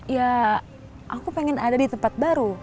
ya aku pengen ada di tempat baru